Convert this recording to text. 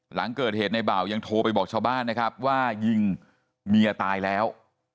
หลังเกิดเหตุในบ่าวยังโทรไปบอกชาวบ้านนะครับว่ายิงเมียตายแล้ว